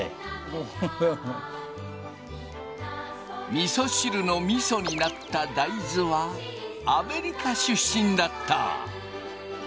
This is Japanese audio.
みそ汁のみそになった大豆はアメリカ出身だった。